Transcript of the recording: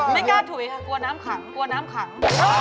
ไม่กล้าถุยค่ะกัวคนนำขัง